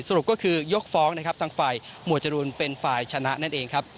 สรุปก็คือยกฟ้องนะครับทางฝ่ายหมวดจรูนเป็นฝ่ายชนะนั่นเองครับ